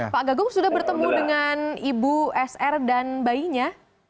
pak gagung sudah bertemu dengan ibu sr dan bayinya